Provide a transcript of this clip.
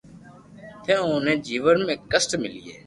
نھ اوسي جيون ۾ ڪسٽ ملئي